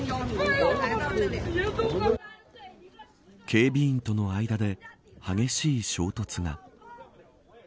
警備員との間で激しい衝突が。